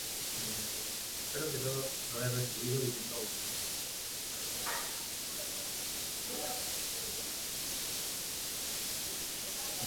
Empero todo lo he recibido, y tengo abundancia: